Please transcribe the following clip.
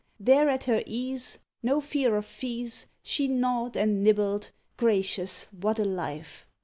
There at her ease, No fear of fees, She gnawed, and nibbled: gracious, what a life!